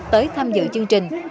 tới tham dự chương trình